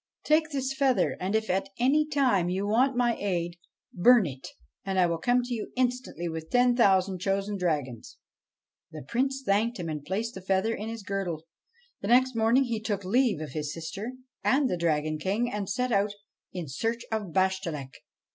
Take this feather, and, if at any time you want my aid, burn it and I will come to you instantly with ten thousand chosen dragons.' The Prince thanked him, and placed the feather in his girdle. The next morning he took leave of his sister and the Dragon King, and set out in search of Bashtchelik.